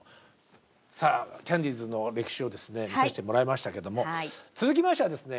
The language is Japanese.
さあキャンディーズの歴史を見させてもらいましたけども続きましてはですね